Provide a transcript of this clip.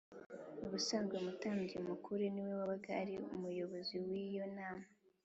Ubusanzwe, umutambyi mukuru ni we wabaga ari umuyobozi w’iyo nama